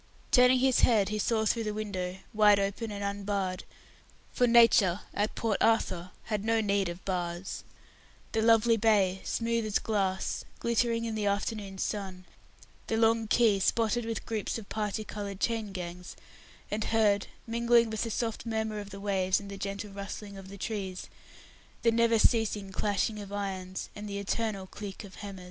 Turning his head, he saw through the window wide open and unbarred, for Nature, at Port Arthur, had no need of bars the lovely bay, smooth as glass, glittering in the afternoon sun, the long quay, spotted with groups of parti coloured chain gangs, and heard, mingling with the soft murmur of the waves, and the gentle rustling of the trees, the never ceasing clashing of irons, and the eternal click of hammer.